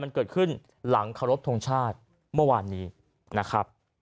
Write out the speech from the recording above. มันเกิดขึ้นหลังเคารพทงชาติเมื่อวานนี้นะครับ